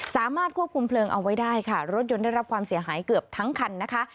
สามารถควบคุมเพลิงเอาไว้ได้ค่ะรถยนต์ได้รับความเสียหายเกือบทั้งคันนะคะ